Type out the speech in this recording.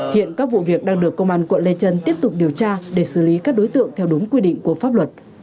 hiện các vụ việc đang được công an quận lê trân tiếp tục điều tra để xử lý các đối tượng theo đúng quy định của pháp luật